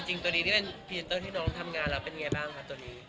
ตัวนี้ที่เป็นพรีเซนเตอร์ที่น้องทำงานแล้วเป็นไงบ้างคะตัวนี้